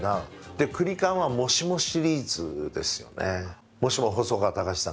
でクリカンはもしもシリーズですよね。